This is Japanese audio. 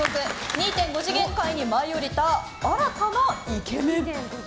２．５次元界に舞い降りた新たなイケメン！